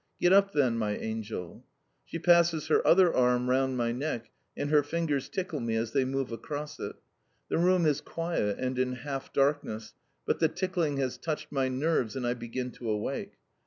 "Get up, then, my angel." She passes her other arm round my neck, and her fingers tickle me as they move across it. The room is quiet and in half darkness, but the tickling has touched my nerves and I begin to awake.